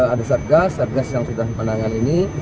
ada sergas sergas yang sudah dipandangkan ini